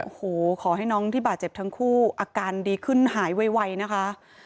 โอ้โหขอให้น้องที่บาดเจ็บทั้งคู่อาการดีขึ้นหายไวนะคะ